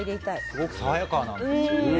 すごく爽やかなんですよね。